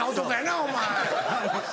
お前。